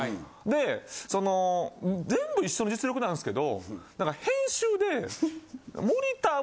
で全部一緒の実力なんすけど。